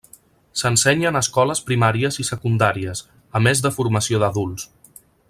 S'ensenya en escoles primàries i secundàries, a més de formació d'adults.